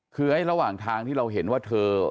คือไอ้ระหว่างทางที่เราเห็นว่าเธอ